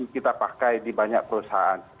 kita pakai di banyak perusahaan